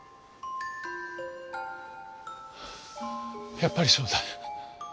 やっぱりそうだ。